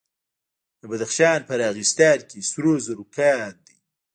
د بدخشان په راغستان کې سرو زرو کان دی.